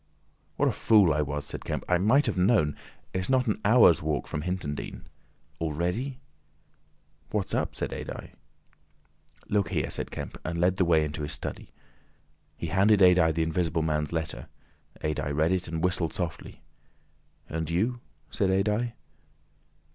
"What a fool I was," said Kemp. "I might have known. It's not an hour's walk from Hintondean. Already?" "What's up?" said Adye. "Look here!" said Kemp, and led the way into his study. He handed Adye the Invisible Man's letter. Adye read it and whistled softly. "And you—?" said Adye.